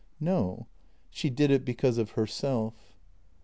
" "No; she did it because of herself."